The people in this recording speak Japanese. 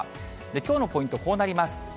きょうのポイントこうなります。